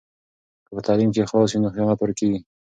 که په تعلیم کې اخلاص وي نو خیانت ورکېږي.